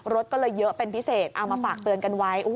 รถก็เลยเยอะเป็นพิเศษเอามาฝากเตือนกันไว้